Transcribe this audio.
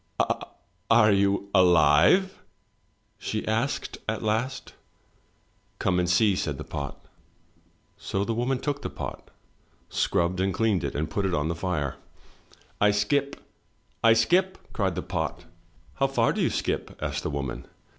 A a are you alive?" she asked at last. "Come and see!" said the pot. ^"""^ So the woman took the pot, scrubbed and cleaned it, and put it on the fire. "I skip, I skip!" cried the pot. "How far do you skip?" asked the woman.